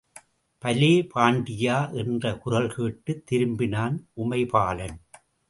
பலே பாண்டியா! என்ற குரல் கேட்டுத் திரும்பினான் உமைபாலன்.